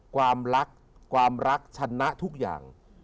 ความรักชนะทุกอย่าง